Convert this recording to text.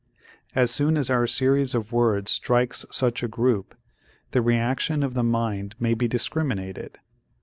As soon as our series of words strikes such a group, the reaction of the mind may be discriminated.